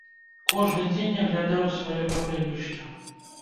Кожны дзень аглядаў сваё папялішча.